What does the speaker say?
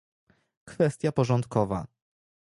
Kwestia porządkowa